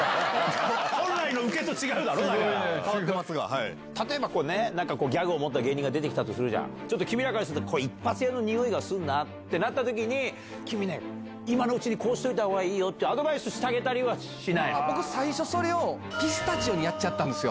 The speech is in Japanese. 本来のウケと違うだろ、例えばね、こういうギャグを持った芸人が出てきたとするじゃない、ちょっと君らからすると、一発屋のにおいがするなってなったときに、君ね、今のうちにこうしておいたほうがいいよって、アドバイスしてあげたりはしない僕、最初それをピスタチオにやっちゃったんですよ。